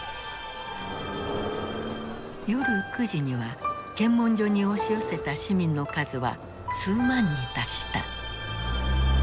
夜９時には検問所に押し寄せた市民の数は数万に達した。